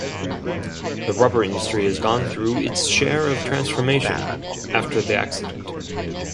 The rubber industry has gone through its share of transformation after the accident.